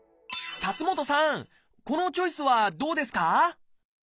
辰元さんこのチョイスはどうですか？